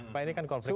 pak ini kan konflik